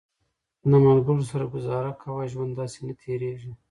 د ملګرو سره ګزاره کوه، ژوند داسې نه تېرېږي